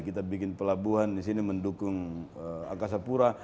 kita bikin pelabuhan di sini mendukung angkasa pura